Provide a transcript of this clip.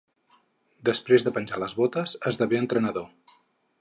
Després de penjar les botes, esdevé entrenador.